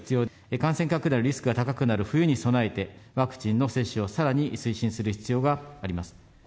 感染拡大のリスクが高くなる冬に備えて、ワクチンの接種をさらに推進する必要があります。